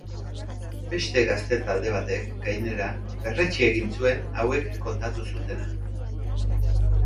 Beste gazte talde batek, gainera, berretsi egin zuen hauek kontatu zutena.